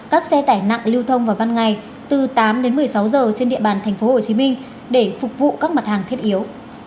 các xe tải nặng lưu thông vào ban ngày từ tám đến một mươi sáu giờ trên địa bàn tp hcm để phục vụ các mặt hàng thiết yếu